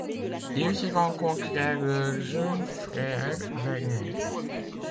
Ils y rencontrèrent leur jeune frère, Werner.